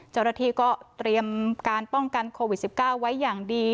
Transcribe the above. เจ้าหน้าที่ก็เตรียมการป้องกันโควิด๑๙ไว้อย่างดี